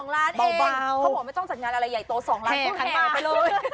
๒ล้านเองเขาบอกไม่ต้องจัดงานอะไรใหญ่โต๒ล้านพูดแฮนด์